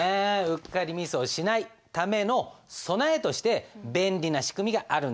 うっかりミスをしないための備えとして便利な仕組みがあるんです。